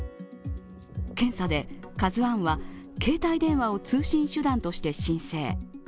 検査で「ＫＡＺＵⅠ」は携帯電話を通信手段として申請。